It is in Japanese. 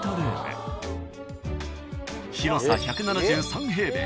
［広さ１７３平米。